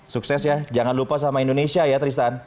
sukses ya jangan lupa sama indonesia ya tristan